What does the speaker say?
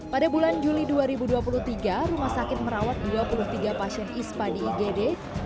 pada bulan juli dua ribu dua puluh tiga rumah sakit merawat dua puluh tiga pasien ispa di igd